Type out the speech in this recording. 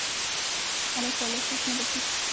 الله تعالی شرک نه بخښي